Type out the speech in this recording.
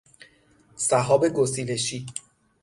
سحاب گسیلشی